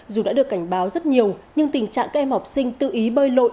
dù đã được cảnh báo rất nhiều nhưng tình trạng các em học sinh tự ý bơi lội